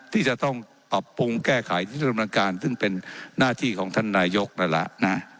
ที่จะต้องปรับปรุงแก้ไขที่จะดำเนินการซึ่งเป็นหน้าที่ของท่านนายกนั่นแหละนะ